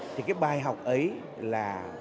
thì cái bài học ấy là